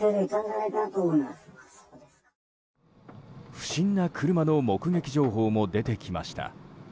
不審な車の目撃情報も出てきました。